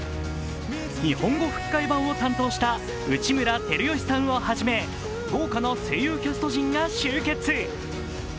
日本語吹き替え版を担当した内村光良さんをはじめ豪華な声優キャスト陣が集結。